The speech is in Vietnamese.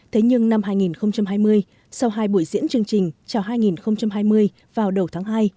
thế nhưng năm hai nghìn hai mươi sau hai buổi diễn chương trình chào hai nghìn hai mươi vào đầu tháng hai